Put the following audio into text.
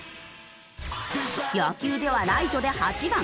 野球ではライトで８番。